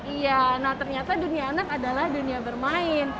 iya nah ternyata dunia anak adalah dunia bermain